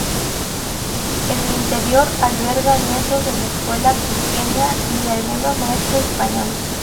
En el interior alberga lienzos de la Escuela Cusqueña y de algunos maestros españoles.